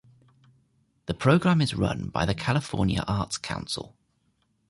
The program is run by the California Arts Council.